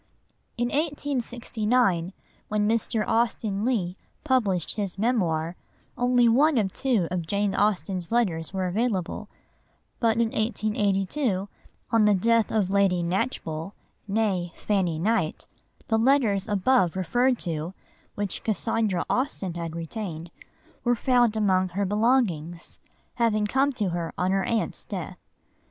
In 1869, when Mr. Austen Leigh published his Memoir, only one or two of Jane Austen's letters were available; but in 1882, on the death of Lady Knatchbull (née Fanny Knight), the letters above referred to, which Cassandra Austen had retained, were found among her belongings, having come to her on her aunt's death.